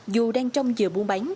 dù đang trong giờ bú bánh